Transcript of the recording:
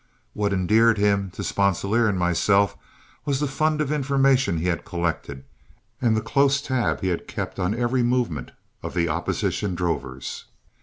What endeared him to Sponsilier and myself was the fund of information he had collected, and the close tab he had kept on every movement of the opposition drovers.